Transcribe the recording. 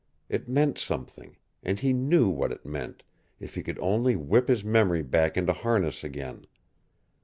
It meant something. And he knew what it meant if he could only whip his memory back into harness again.